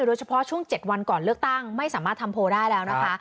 โดยเฉพาะช่วง๗วันก่อนเลือกตั้งไม่สามารถทำโพลได้แล้วนะคะ